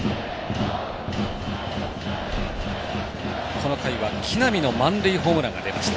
この回は木浪の満塁ホームランが出ました。